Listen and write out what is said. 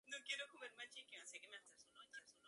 Es el campeonato sucesor de la Copa de Europa.